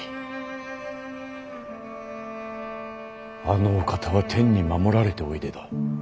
あのお方は天に守られておいでだ。